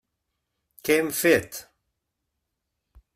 Què hem fet?